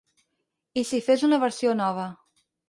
I si fes una versió nova.